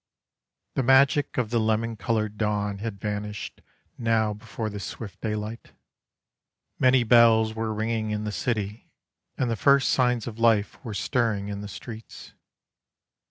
The magic of the lemon coloured dawn had vanished now before the swift daylight. Many bells were ringing in the city, and the first signs of life were stirring in the streets.